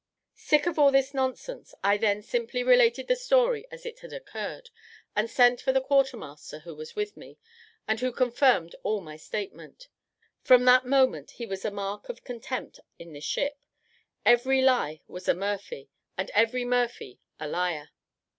Sick of all this nonsense, I then simply related the story as it had occurred, and sent for the quarter master, who was with me, and who confirmed all my statement. From that moment he was a mark of contempt in the ship. Every lie was a Murphy, and every Murphy a liar.